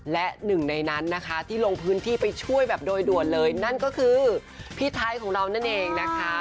และหนึ่งในนั้นนะคะที่ลงพื้นที่ไปช่วยแบบโดยด่วนเลยนั่นก็คือพี่ไทยของเรานั่นเองนะคะ